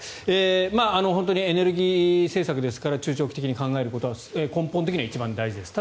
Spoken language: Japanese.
本当にエネルギー政策ですから中長期的に考えることは根本的には一番大事です。